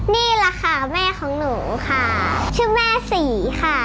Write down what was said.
นี่แหละค่ะแม่ของหนูค่ะชื่อแม่ศรีค่ะ